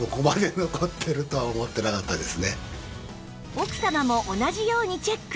奥様も同じようにチェック